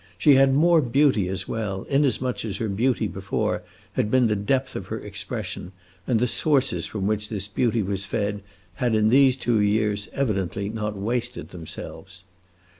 She had more beauty as well, inasmuch as her beauty before had been the depth of her expression, and the sources from which this beauty was fed had in these two years evidently not wasted themselves.